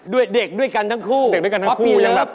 ด้วยเด็กด้วยกันทั้งคู่เพราะว่าปีเลิก